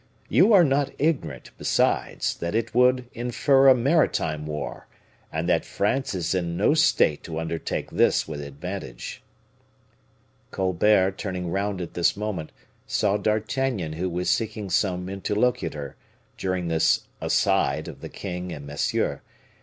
You are not ignorant, besides, that it would infer a maritime war, and that France is in no state to undertake this with advantage." Colbert, turning round at this moment, saw D'Artagnan who was seeking some interlocutor, during this "aside" of the king and Monsieur.